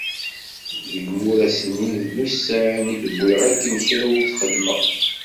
Deg imuras-nni, d ussan i d-wwiɣ akken kra ur t-xeddmeɣ.